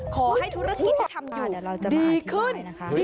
ขอให้ธุรกิจที่ทำอยู่ดีขึ้นนะคะ